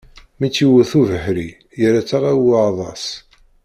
Mi t-yewwet ubeḥri, yerra-tt ala i uɛḍas.